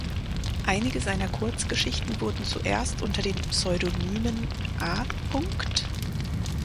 Einige seiner Kurzgeschichten wurden zuerst unter den Pseudonymen "A.